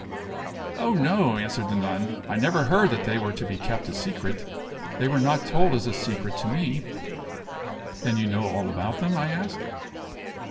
"Oh, no!" answered the nun, "I never heard that they were to be kept a secret. They were not told as a secret to me." "Then you know all about them?" I asked.